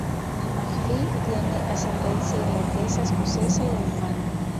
McPhee tiene ascendencia irlandesa, escocesa y alemana.